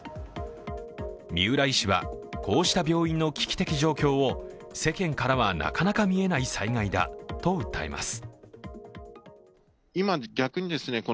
三浦医師は、こうした病院の危機的状況を世間からはなかなか見えない災害だと訴えます。